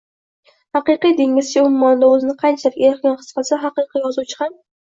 Haqiqiy dengizchi ummonda o’zini qanchalik erkin his qilsa, haqiqiy yozuvchi ham